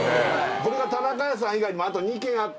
これが田中屋さん以外にもあと２軒あって。